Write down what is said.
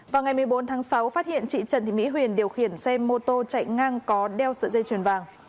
vào ngày một mươi bốn tháng sáu phát hiện chị trần thị mỹ huyền điều khiển xe mô tô chạy ngang có đeo sợi dây chuyền vàng